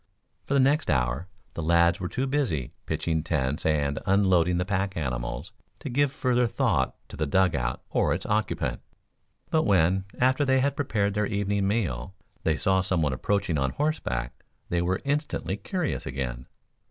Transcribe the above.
For the next hour, the lads were too busy, pitching tents and unloading the pack animals, to give further thought to the dug out or its occupant; but when, after they had prepared their evening meal, they saw some one approaching on horseback, they were instantly curious again.